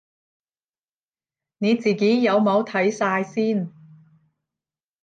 你自己有冇睇晒先